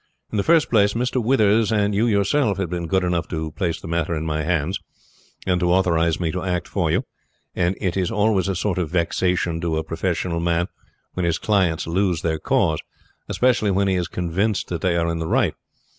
In the first place, Mr. Withers and you yourself had been good enough to place the matter in my hands, and to authorize me to act for you, and it is always a sort of vexation to a professional man when his clients lose their cause, especially when he is convinced that they are in the right.